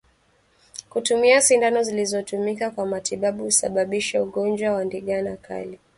Kutumia sindano zilizotumika kwa matibabu husababisha ugonjwa wa Ndigana Kali